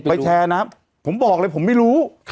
แชร์นะผมบอกเลยผมไม่รู้